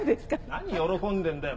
何喜んでんだよ。